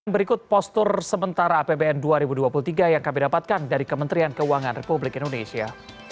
berikut postur sementara apbn dua ribu dua puluh tiga yang kami dapatkan dari kementerian keuangan republik indonesia